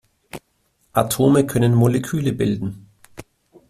Atome können Moleküle bilden.